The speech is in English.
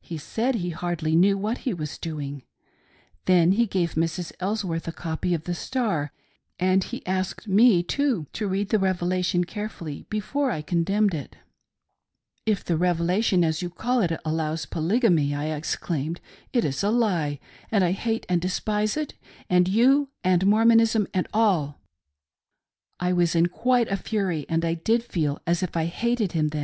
He said he hardly knew what he was doing. Then he gave Mrs. Elsworth a copy of the Star, and he asked me, too, to read the Revelation carefully before I condemned it " If the Revelation, as you call it, allows Polygamy," I exclaimed, "it is a lie, and I hate and despise it, and you, and Mormonism, and all I" I was quite in a fury, and I didt&eX as if I hated him then.